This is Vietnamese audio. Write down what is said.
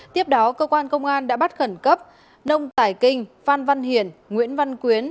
tiếp đó cơ quan công an đã bắt khẩn cấp nông tải kinh phan văn hiển nguyễn văn quyến